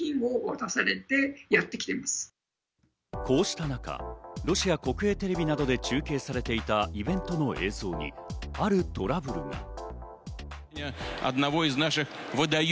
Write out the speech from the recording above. こうした中、ロシア国営テレビなどで中継されていたイベントの映像に、あるトラブルが。